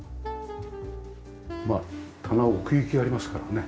まあ棚奥行きがありますからね。